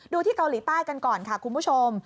ที่เกาหลีใต้กันก่อนค่ะคุณผู้ชม